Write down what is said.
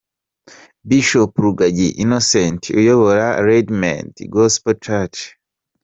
Bishop Rugagi Innocent, uyobora Redeemed Gospel Church.